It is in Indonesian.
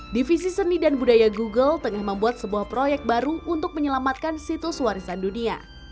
divisi seni dan budaya google tengah membuat sebuah proyek baru untuk menyelamatkan situs warisan dunia